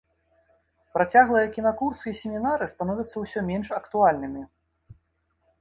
Працяглыя кінакурсы і семінары становяцца ўсё менш актуальнымі.